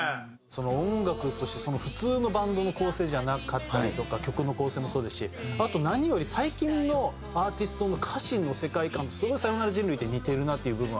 音楽として普通のバンドの構成じゃなかったりとか曲の構成もそうですしあと何より最近のアーティストの歌詞の世界観にすごい『さよなら人類』って似てるなっていう部分あります。